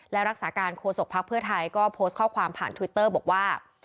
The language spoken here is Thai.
และรักษาการโฆษกภักดิ์เพื่อไทยก็โพสต์ข้อความผ่านทวิตเตอร์บอกว่า